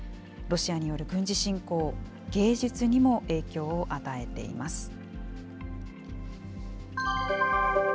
ロシアによる軍事侵攻、芸術にも影響を与えています。